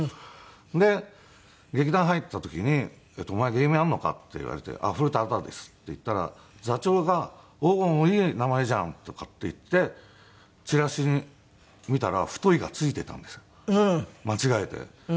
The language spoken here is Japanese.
で劇団入った時に「お前芸名あるのか？」って言われて古田新ですって言ったら座長が「おおーいい名前じゃん」とかって言ってチラシ見たら「太い」がついていたんです間違えて。